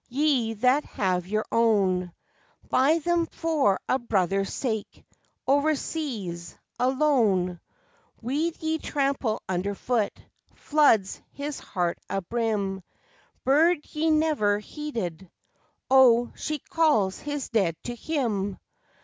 Ye that have your own Buy them for a brother's sake Overseas, alone. Weed ye trample underfoot Floods his heart abrim Bird ye never heeded, Oh, she calls his dead to him!